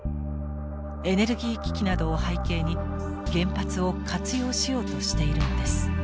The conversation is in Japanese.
エネルギー危機などを背景に原発を活用しようとしているのです。